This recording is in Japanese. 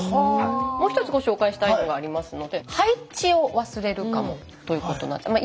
もう１つご紹介したいのがありますので「配置を忘れるかも」ということなんです。